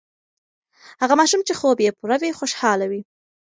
هغه ماشوم چې خوب یې پوره وي، خوشاله وي.